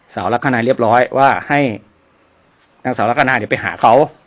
ลักษณะเรียบร้อยว่าให้นางสาวลักษณะเดี๋ยวไปหาเขา